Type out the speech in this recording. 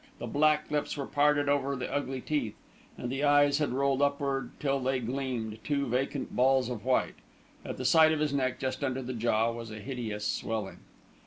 The black lips were parted over the ugly teeth, and the eyes had rolled upward till they gleamed, two vacant balls of white. At the side of his neck, just under the jaw, was a hideous swelling.